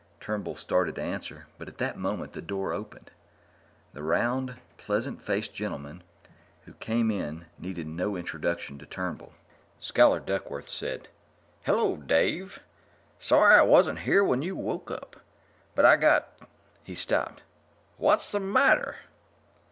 Turnbull started to answer, but, at that moment the door opened. The round, pleasant faced gentleman who came in needed no introduction to Turnbull. Scholar Duckworth said: "Hello, Dave. Sorry I wasn't here when you woke up, but I got " He stopped. "What's the matter?"